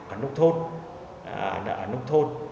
ở nông thôn